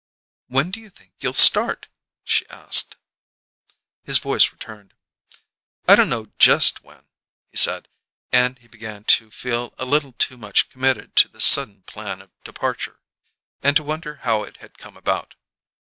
"When do you think you'll start?" she asked. His voice returned. "I don't know just when," he said; and he began to feel a little too much committed to this sudden plan of departure, and to wonder how it had come about.